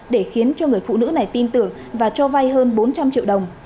để khiến cho người phụ nữ này tin tưởng và cho vay hơn bốn trăm linh triệu đồng